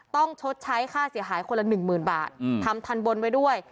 ต้องชดใช้ค่าเสียหายคนละ๑๐๐๐๐บาททำทันบนไว้ด้วย